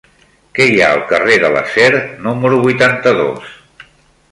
Què hi ha al carrer de l'Acer número vuitanta-dos?